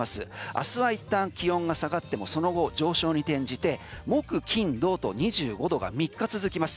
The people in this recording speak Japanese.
明日はいったん気温が下がってもその後上昇に転じて木、金、土と２５度が３日続きます。